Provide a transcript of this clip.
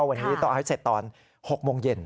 วันนี้ต้องเอาให้เสร็จตอน๖โมงเย็น